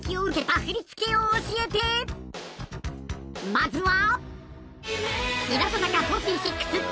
まずは。